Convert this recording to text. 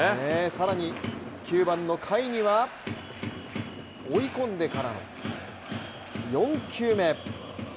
更に９番の甲斐には追い込んでからの４球目。